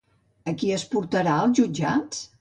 A qui es portarà als jutjats?